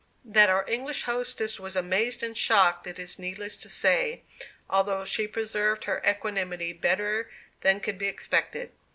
That our English hostess was amazed and shocked it is needless to say, although she preserved her equanimity better than could be expected.